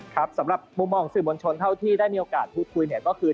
ครับสำหรับมุมมองสื่อมวลชนเข้าที่ได้มีโอกาสพูดคุยก็คือ